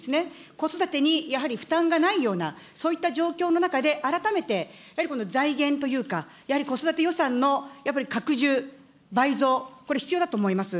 子育てにやはり負担がないような、そういった状況の中で、改めて、やはりこの財源というか、やはり子育て予算のやっぱり拡充、倍増、これ必要だと思います。